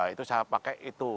itu saya pakai itu